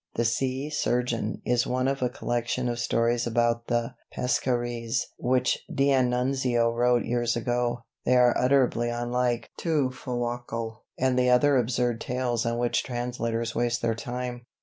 "'The Sea Surgeon' is one of a collection of stories about the Pescarese, which D'Annunzio wrote years ago. They are utterly unlike 'II Fuoco' and the other absurd tales on which translators waste their time.